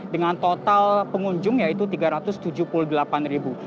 dengan total pengunjung yaitu tiga ratus tujuh puluh delapan ribu